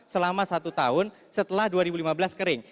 selama satu tahun setelah dua ribu lima belas kering